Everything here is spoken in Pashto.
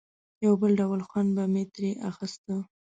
یو بل ډول خوند به مې ترې اخیسته.